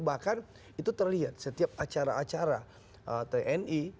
bahkan itu terlihat setiap acara acara tni